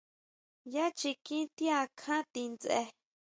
Yá chiquin ti akján ti ndsje.